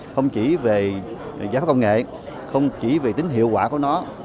không chỉ về giá phát công nghệ không chỉ về tính hiệu quả của nó